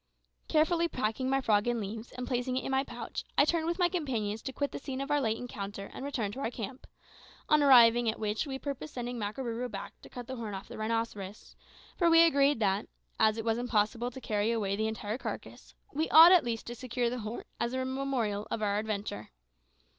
Carefully packing my frog in leaves, and placing it in my pouch, I turned with my companions to quit the scene of our late encounter and return to our camp, on arriving at which we purposed sending back Makarooroo to cut off the horn of the rhinoceros; for we agreed that, as it was impossible to carry away the entire carcass, we ought at least to secure the horn as a memorial of our adventure.